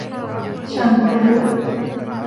ฉันรู้ !